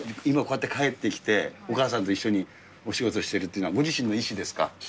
今、こうやって帰ってきて、お母さんと一緒にお仕事してるというのは、ご自身の意思ですか？